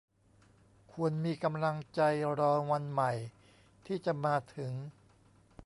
ควรมีกำลังใจรอวันใหม่ที่จะมาถึง